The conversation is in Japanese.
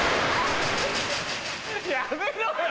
やめろよ！